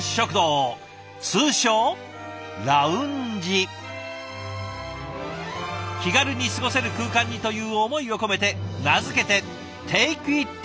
通称気軽に過ごせる空間にという思いを込めて名付けて「ＴａｋｅｉｔＥａｓｙ！」。